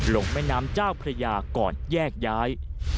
แม่น้ำเจ้าพระยาก่อนแยกย้าย